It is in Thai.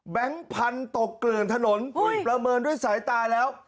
พันธุ์ตกเกลื่อนถนนประเมินด้วยสายตาแล้ว